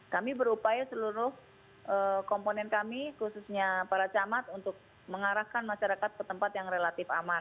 kami berupaya seluruh komponen kami khususnya para camat untuk mengarahkan masyarakat ke tempat yang relatif aman